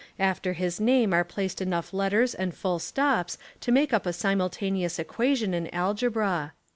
After his name are placed enough letters and full stops to make up a simultaneous equation in algebra.